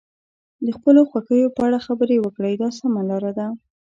د خپلو خوښیو په اړه خبرې وکړئ دا سمه لاره ده.